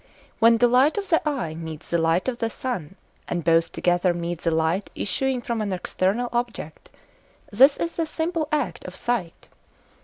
When the light of the eye meets the light of the sun, and both together meet the light issuing from an external object, this is the simple act of sight.